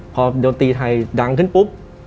พอดนตรีไทยดังขึ้นปุ๊บ